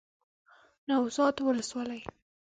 نوزاد ولسوالۍ